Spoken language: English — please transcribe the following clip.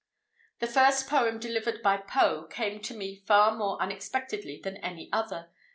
The first poem delivered by Poe, came to me far more unexpectedly than any other.